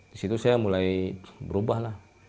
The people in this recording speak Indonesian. di situ saya mulai berubah lah